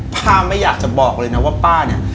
ป้าไม่อยากจะบอกเลยนะว่าป้าเนี่ย